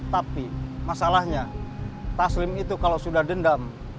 tapi masalahnya taslim itu kalau sudah dendam